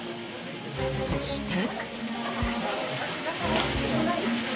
そして。